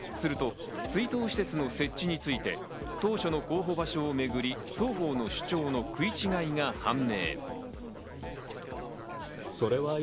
すると追悼施設の設置について、当初の候補場所をめぐり、双方の主張の食い違いが判明。